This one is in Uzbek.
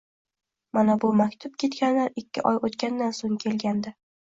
Mana bu maktub ketganidan ikki oy o'tgandan so'ng kelgandi: